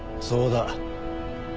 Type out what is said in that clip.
そうだ。